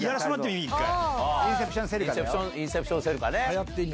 インセプションセルカね！